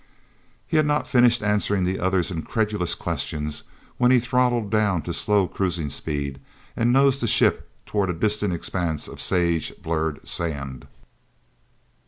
He had not finished answering the other's incredulous questions when he throttled down to slow cruising speed and nosed the ship toward a distant expanse of sage blurred sand.